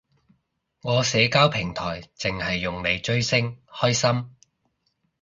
我社交平台剩係用嚟追星，開心